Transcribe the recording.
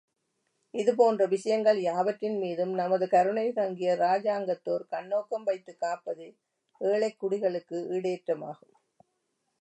இது போன்ற விஷயங்கள் யாவற்றின் மீதும் நமது கருணை தங்கிய இராஜாங்கத்தோர் கண்ணோக்கம் வைத்துக் காப்பதே ஏழைக்குடிகளுக்கு ஈடேற்றமாகும்.